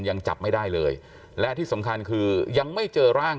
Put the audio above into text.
ยังจับไม่ได้เลยและที่สำคัญคือยังไม่เจอร่าง